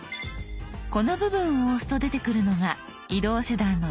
この部分を押すと出てくるのが移動手段の一覧。